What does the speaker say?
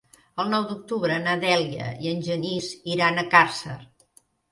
El nou d'octubre na Dèlia i en Genís iran a Càrcer.